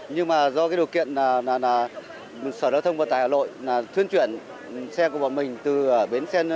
nhưng mà do cái điều kiện là sở giao thông vận tải hà nội là thuyên chuyển xe của bọn mình từ bến xe nước ngầm